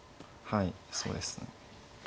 はいそうですね。